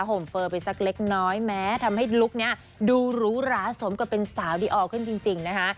เจอไปสักเล็กน้อยแม้ทำให้ลูกนี้ดูรู้ร้าสมกว่าเป็นสาวดิออร์ขึ้นจริงนะคะ